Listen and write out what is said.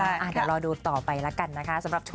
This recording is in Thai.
เดี๋ยวรอดูต่อไปแล้วกันนะคะ